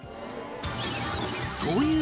という